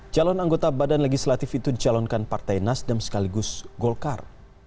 calon anggota badan legislatif itu dicalonkan partai nasdem sekaligus golkar